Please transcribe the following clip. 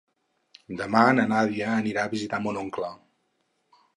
Demà na Nàdia anirà a visitar mon oncle.